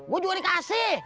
gue juga dikasih